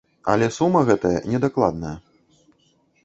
Але сума гэтая недакладная.